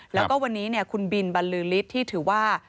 แล้วก็วันนี้เนี่ยคุณบิลบรรลือลิศที่ถือว่า